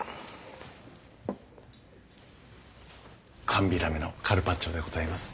寒ビラメのカルパッチョでございます。